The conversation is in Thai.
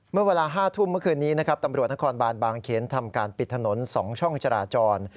เมื่อเวลา๕ทุ่มเมื่อคืนนี้นะครับตำรวจนครบานบางเขนทำการปิดถนน๒ช่องจราจร